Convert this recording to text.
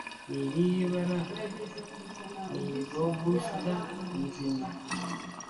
Ni irihe bara ni Lobster Nzima?